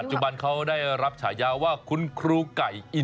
จุบันเขาได้รับฉายาว่าคุณครูไก่อิน